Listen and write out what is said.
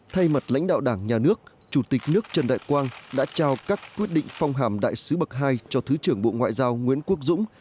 thay mặt lãnh đạo đảng nhà nước chủ tịch nước trần đại quang đã trao các quyết định phong hàm đại sứ bậc hai cho thứ trưởng bộ ngoại giao nguyễn quốc dũng